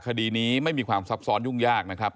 คดีนี้ไม่มีความซับซ้อนยุ่งยากนะครับ